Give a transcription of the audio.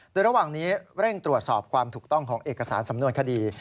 โดยระหว่างนี้เร่งตรวจสอบความถูกต้องของเอกสารสำนวนคดี